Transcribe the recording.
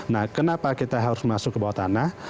nah kenapa kita harus masuk ke bawah tanah